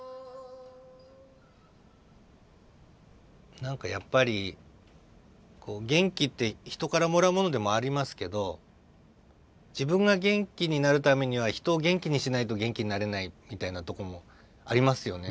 何かやっぱり元気って人からもらうものでもありますけど自分が元気になるためにはみたいなとこもありますよね。